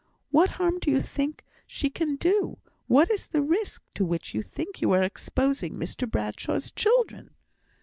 What harm do you think she can do? What is the risk to which you think you are exposing Mr Bradshaw's children?"